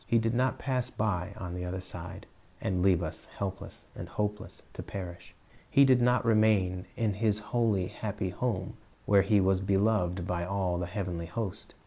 lie did nut pass us by on the other side, and leave us, helpless and hopeless, to perish. He did not remain in His holy, happy home, where He was beloved by all the heavenly host.